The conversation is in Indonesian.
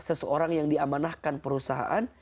seseorang yang diamanahkan perusahaan